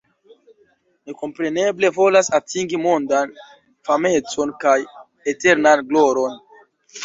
Mi kompreneble volas atingi mondan famecon kaj eternan gloron.